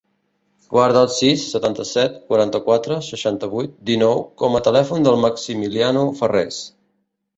Guarda el sis, setanta-set, quaranta-quatre, seixanta-vuit, dinou com a telèfon del Maximiliano Farres.